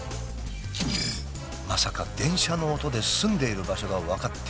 まさか電車の音で住んでいる場所が分かってしまうなんて。